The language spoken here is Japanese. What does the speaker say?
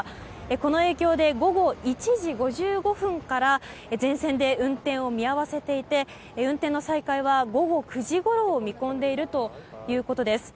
この影響で午後１時５５分から全線で運転を見合わせていて運転の再開は午後９時ごろを見込んでいるということです。